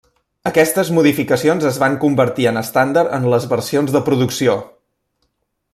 Aquestes modificacions es va convertir en estàndard en les versions de producció.